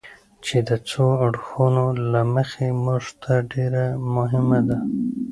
چې د څو اړخونو له مخې موږ ته ډېره مهمه ده.